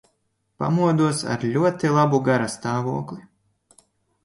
Pamodos ar ļoti labu garastāvokli.